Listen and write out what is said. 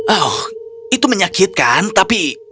oh itu menyakitkan tapi